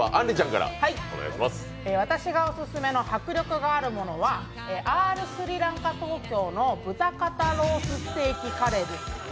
私がオススメの迫力があるものは、ＲスリランカＴＯＫＹＯの豚肩ロースステーキカレーです。